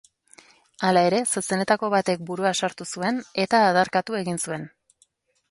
Hala ere, zezenetako batek burua sartu zuen, eta adarkatu egin zuen.